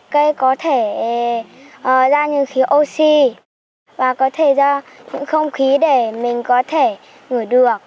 cây có thể ra những khí oxy và có thể ra những không khí để mình có thể gửi được